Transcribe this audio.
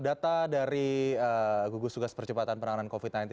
data dari gugus tugas percepatan penanganan covid sembilan belas